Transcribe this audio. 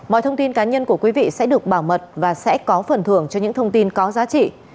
mọi thông tin cá nhân của quý vị sẽ được bảo mật và sẽ có phần thưởng cho những thông tin có giá trị